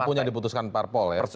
apapun yang diputuskan parpol ya